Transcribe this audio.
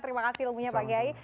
terima kasih ilmunya pak kiai